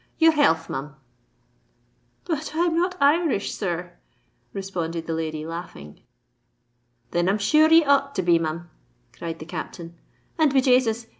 Your health, Mim." "But I'm not Irish, sir," responded the lady, laughing. "Then I'm sure ye ought to be, Mim," cried the Captain; "and, be Jasus!